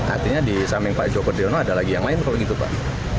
artinya di samping pak joko driono ada lagi yang lain kok gitu pak